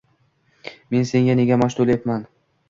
Men senga nega maosh to`layapman